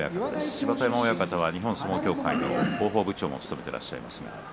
芝田山親方は日本相撲協会の広報部長を務めていらっしゃいます。